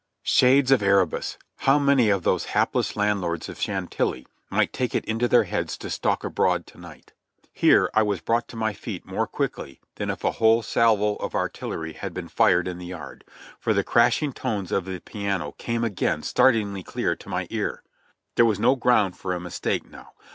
Shades of Erebus ! How many of those hapless landlords of Chantilly might take it into their heads to stalk abroad to night. Here I was brought to my feet more quickly than if a whole salvo of artillery had been fired in the yard, for the crashing tones of the piano came again startlingly clear to my ear. There was no ground for a mistake now.